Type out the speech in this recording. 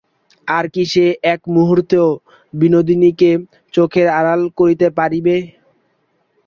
আর কি সে একমুহূর্তও বিনোদিনীকে চোখের আড়াল করিতে পারিবে।